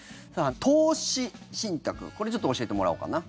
投資信託、これちょっと教えてもらおうかな。